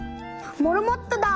「モルモットだ！」。